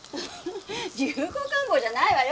流行感冒じゃないわよ。